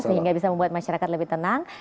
sehingga bisa membuat masyarakat lebih tenang